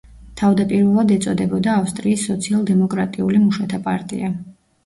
თავდაპირველად ეწოდებოდა ავსტრიის სოციალ-დემოკრატიული მუშათა პარტია.